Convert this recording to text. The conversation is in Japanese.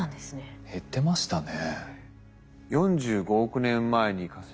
減ってましたね。